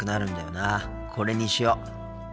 これにしよう。